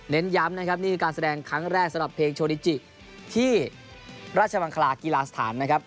ย้ำนะครับนี่คือการแสดงครั้งแรกสำหรับเพลงโชดิจิที่ราชมังคลากีฬาสถานนะครับ